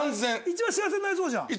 一番幸せになれそうじゃん。